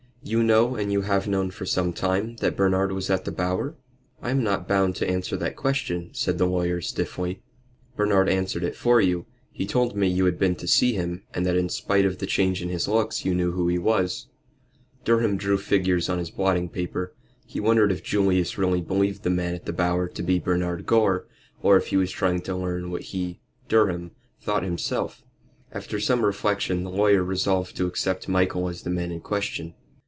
You know, and you have known for some time, that Bernard was at the Bower?" "I am not bound to answer that question," said the lawyer, stiffly. "Bernard answered it for you. He told me you had been to see him, and that in spite of the change in his looks you knew who he was." Durham drew figures on his blotting paper. He wondered if Julius really believed the man at the Bower to be Bernard Gore, or if he was trying to learn what he Durham thought himself. After some reflection the lawyer resolved to accept Michael as the man in question.